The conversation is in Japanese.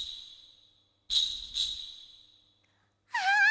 あ！